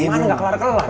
gimana gak kelar kelar tuh